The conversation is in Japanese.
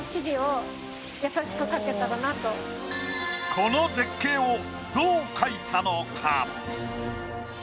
この絶景をどう描いたのか？